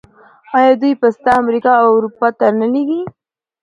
آیا دوی پسته امریکا او اروپا ته نه لیږي؟